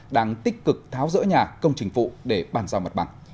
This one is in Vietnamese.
đang tích cực tháo rỡ nhà công trình phụ để bàn giao mặt bằng